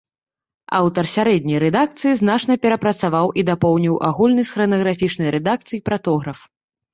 Аўтар сярэдняй рэдакцыі значна перапрацаваў і дапоўніў агульны з хранаграфічнай рэдакцыяй пратограф.